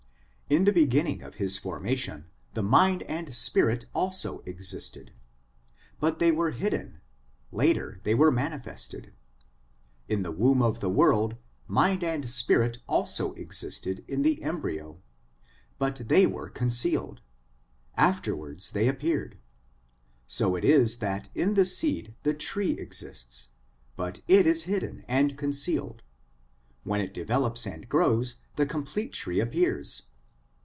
In the beginning of his formation the mind and spirit also existed, but they were hidden; later they were manifested. In the womb of the world mind and spirit also existed in the embryo, but they were POWERS AND CONDITIONS OF MAN 231 concealed ; afterwards they appeared. So it is that in the seed the tree exists, but it is hidden and con cealed ; when it develops and grows, the complete tree appears.